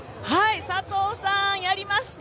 佐藤さん、やりました！